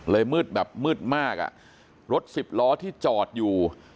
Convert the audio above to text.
มืดแบบมืดมากอ่ะรถสิบล้อที่จอดอยู่